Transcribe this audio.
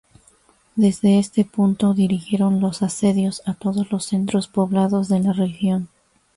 Desde este punto dirigieron los asedios a todos los centros poblados de la región.